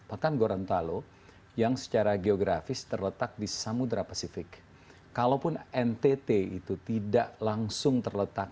bahkan gorontalo yang secara geografis terletak di samudera pasifik kalaupun ntt itu tidak langsung terletak